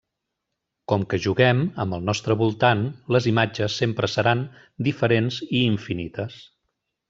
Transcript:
Com que juguem, amb el nostre voltant, les imatges sempre seran diferents i infinites.